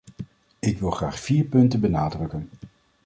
Ik wil graag vier punten benadrukken.